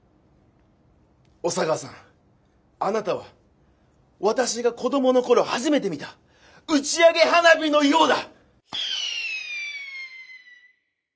小佐川さんあなたは私が子どもの頃初めて見た打ち上げ花火のようだ！